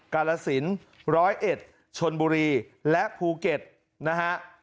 กาลสินร้อยเอ็ดชนบุรีและภูเก็ตนะฮะ